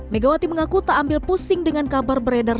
megawati mengaku tak ambil pusing dengan kabar beredar